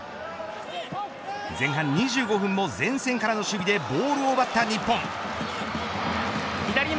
前半２５分も、前線からの守備でボールを奪った日本。